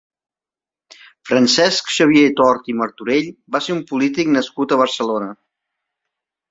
Francesc Xavier Tort i Martorell va ser un polític nascut a Barcelona.